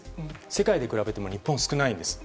世界で比べても日本は少ないんです。